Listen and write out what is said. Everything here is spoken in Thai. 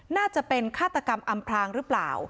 น่าจะเป็นฆาตกรรมอำพลางหรือเปล่า